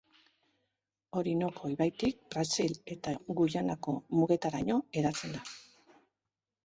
Orinoco ibaitik Brasil eta Guyanako mugetaraino hedatzen da.